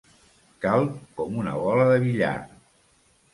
Calb com una bola de billar.